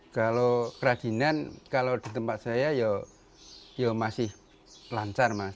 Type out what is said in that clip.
kalau kerajinan kalau di tempat saya ya masih lancar mas